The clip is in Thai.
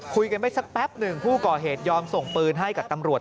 คุยกันไม่สักแป๊บหนึ่งผู้ก่อเหตุยอมส่งปืนให้กับตำรวจ